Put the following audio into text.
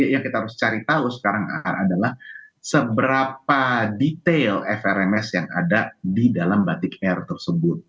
yang kita harus cari tahu sekarang akan adalah seberapa detail frms yang ada di dalam batik merah tersebut